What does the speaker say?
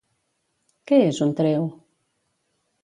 Què és un treu?